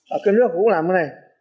ở cái nước cũng làm thế này